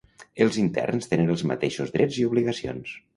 Els interns tenen els mateixos drets i obligacions.